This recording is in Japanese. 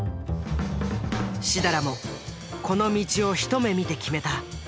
設楽もこの道を一目見て決めた。